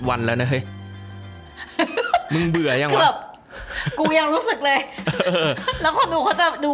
วันแล้วนะเฮ้ยมึงเบื่อยังวะแบบกูยังรู้สึกเลยแล้วคนดูเขาจะดู